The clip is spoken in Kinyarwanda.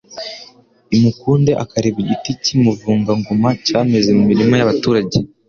i Mukunde akareba igiti cy'Umuvugangoma cyameze mu mirima y'abaturage.